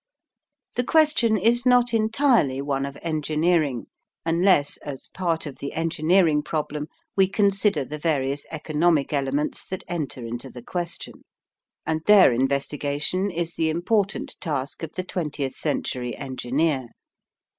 The question is not entirely one of engineering unless as part of the engineering problem we consider the various economic elements that enter into the question, and their investigation is the important task of the twentieth century engineer.